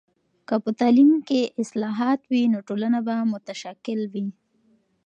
که په تعلیم کې اصلاحات وي، نو ټولنه به متشکل وي.